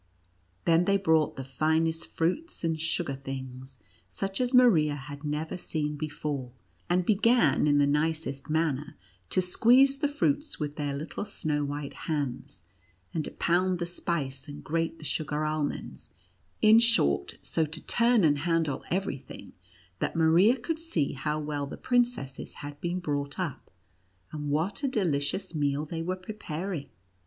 Then they brought the finest fruits and sugar things, such as Maria had never seen before, and began in the nicest manner to squeeze the NUTCRACKER AND MOUSE KING. 127 fruits with their little snow white hands, and to pound the spice, and grate the sugar almonds, in short, so to turn and handle every thing, that Maria could see how well the princesses had been brought up, and what a delicious meal they were preparing.